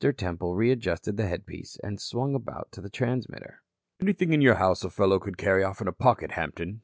Temple readjusted the headpiece and swung about to the transmitter. "Anything in your house a fellow could carry off in a pocket, Hampton?"